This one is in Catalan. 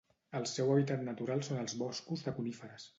El seu hàbitat natural són els boscos de coníferes.